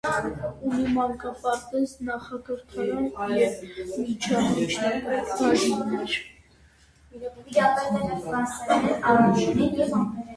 Ունի մանկապարտեզ, նախակրթարան և միջնակարգ բաժիններ։